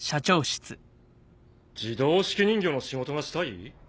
自動手記人形の仕事がしたい？